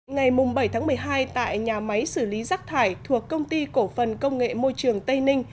ngày bảy tháng một mươi hai tại nhà máy xử lý rác thải thuộc công ty cổ phần công nghệ môi trường tây ninh